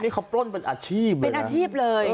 นี่เขาปล้นเป็นอาชีพเลยเป็นอาชีพเลย